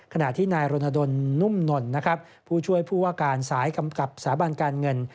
ขณะที่นายรณดลนุ่มนนนะครับผู้ช่วยผู้ว่าการสายกำกับสถาบันการเงิน